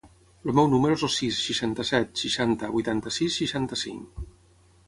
El meu número es el sis, seixanta-set, seixanta, vuitanta-sis, seixanta-cinc.